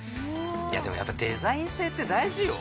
いやでもやっぱりデザイン性って大事よ。